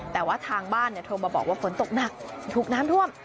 แต่ว่าทางบ้านโทรมาบอกว่าฝนตกหนักถูกน้ำท่วม